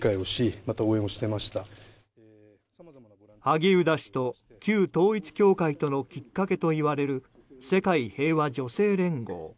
萩生田氏と旧統一教会とのきっかけといわれる世界平和女性連合。